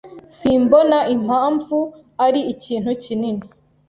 Simbona impamvu ari ikintu kinini.